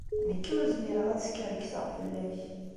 Nekk ur zmireɣ ad skerkseɣ fell-ak.